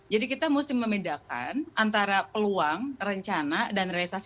jadi kita mesti membedakan antara peluang rencana dan realisasi investasi